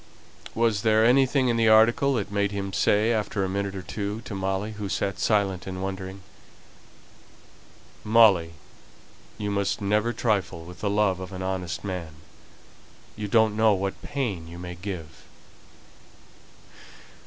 Was there anything in the article that made him say, after a minute or two, to Molly, who sat silent and wondering "Molly, you must never trifle with the love of an honest man. You don't know what pain you may give."